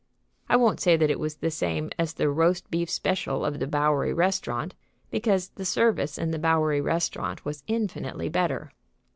I won't say that it was the same as the Roast Beef Special of the Bowery Restaurant, because the service in the Bowery Restaurant was infinitely better.